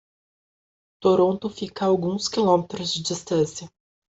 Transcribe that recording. Toronto fica a alguns quilômetros de distância.